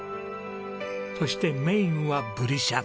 そしてメインはブリしゃぶ。